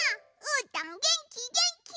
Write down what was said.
うーたんげんきげんき！